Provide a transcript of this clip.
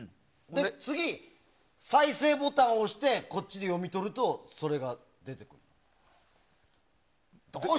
次、再生ボタンを押してこっちで読み取るとそれが出てくる。